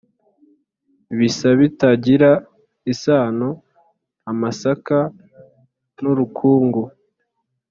Bisa bitagira isano-Amasaka n'urukungu.